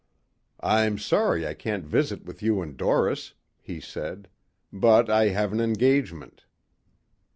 "I'm sorry I can't visit with you and Doris," he said. "But I have an engagement."